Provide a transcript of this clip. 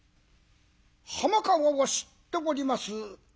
浜川を知っております